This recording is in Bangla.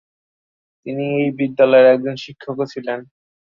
তিনি এই বিদ্যালয়ের একজন শিক্ষকও ছিলেন।